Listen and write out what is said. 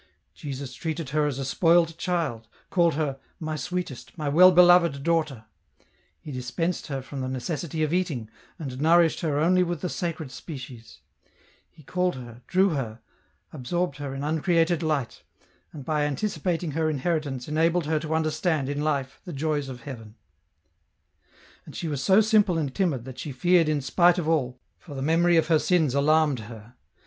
Jesus treated her as a spoilt child, called her, " My sweetest, my well belovetl daughter ;" He dispensed her from the necessity of eating, and nourished her only with the Sacred Species ; He called her, drew her, absorbed her in uncreated light, and by anticioating her inheritance enabled her to understand, in life, the ioys of heaven. And she was so simnle and timid that she feared in spite of all, for the memory of her sins alarmed her.